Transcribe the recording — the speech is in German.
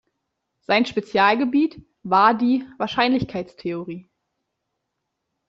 Sein Spezialgebiet war die Wahrscheinlichkeitstheorie.